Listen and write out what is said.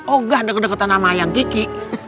enggak deket deket sama ayang kiki